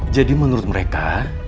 jadi menurut mereka